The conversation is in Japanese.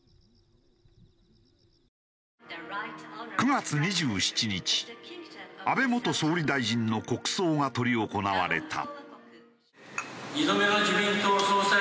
９月２７日安倍元総理大臣の国葬が執り行われた。